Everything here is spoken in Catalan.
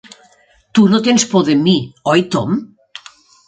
Tu no tens por de mi, oi Tom?